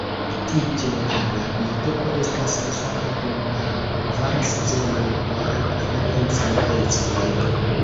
Tiu ĝenerala biotopo estas uzata dum la kvar sezonoj por diferencaj ecoj.